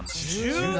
１７！？